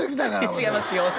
違います